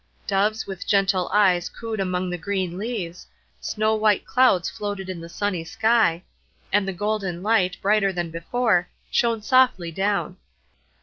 Doves with gentle eyes cooed among the green leaves, snow white clouds floated in the sunny sky, and the golden light, brighter than before, shone softly down.